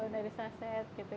dari saset gitu